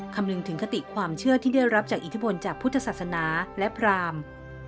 คำนึงถึงคติความเชื่อที่ได้รับจากอิทธิพลจากพุทธศาสนาและพราม